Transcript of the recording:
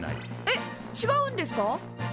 えっちがうんですか？